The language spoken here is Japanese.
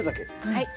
はい。